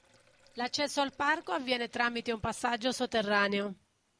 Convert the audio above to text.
L'accesso al parco avviene tramite un passaggio sotterraneo.